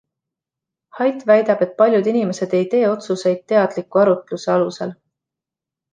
Haidt väidab, et paljud inimesed ei tee otsuseid teadliku arutluse alusel.